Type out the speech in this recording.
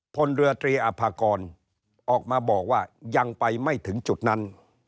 พลเรือตรีอภากรออกมาบอกว่ายังไปไม่ถึงจุดนั้น